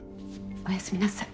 おやすみなさい。